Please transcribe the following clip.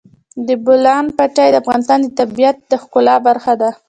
د بولان پټي د افغانستان د طبیعت د ښکلا برخه ده.